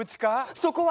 そこは！